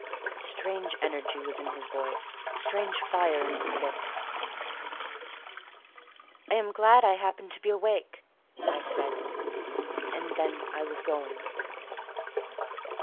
Strange energy was in his voice, strange fire in his look. "I am glad I happened to be awake," I said: and then I was going.